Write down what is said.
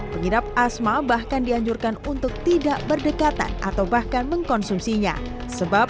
pengidap asma bahkan dianjurkan untuk tidak berdekatan atau bahkan mengkonsumsinya sebab